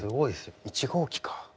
１号機か。